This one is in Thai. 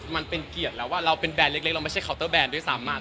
มันเป็นเกียรติแล้วว่าเราเป็นแบรนดเล็กเราไม่ใช่เคาน์เตอร์แบรนดด้วยซ้ำ